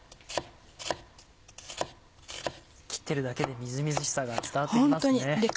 切ってるだけでみずみずしさが伝わって来ますね。